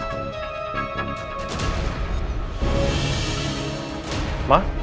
yang dikumpulkan ini terparuh dari kecemasan chest